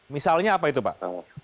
misalnya apa itu pak